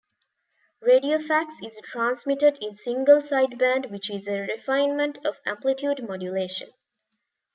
Radiofax is transmitted in single sideband which is a refinement of amplitude modulation.